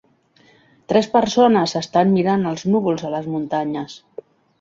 Tres persones estan mirant els núvols a les muntanyes.